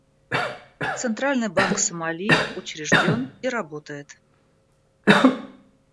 Центральный банк Сомали учрежден и работает.